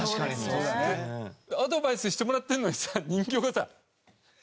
そうだね。アドバイスしてもらってるのにさ人形がさ。